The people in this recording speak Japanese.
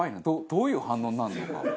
どういう反応になるのか。